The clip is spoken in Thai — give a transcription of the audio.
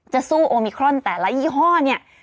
จะสู้โอมิครอนแต่ละยี่ห้อเนี่ย